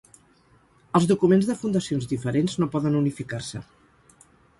Els documents de fundacions diferents no poden unificar-se.